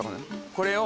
これを。